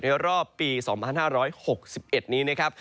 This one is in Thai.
รอบปี๒๕๖๑นี้นะครับ